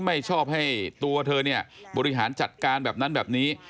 ไม่ชอบให้ตัวเธอเนี่ยบริหารจัดการแบบนั้นแบบนี้